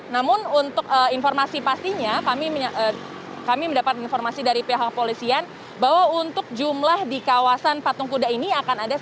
namun untuk informasi pastinya kami mendapatkan informasi dari pihak polisian bahwa untuk jumlah di kawasan patung kuda ini akan ada